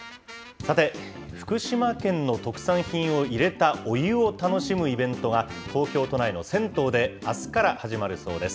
さて、福島県の特産品を入れたお湯を楽しむイベントが、東京都内の銭湯であすから始まるそうです。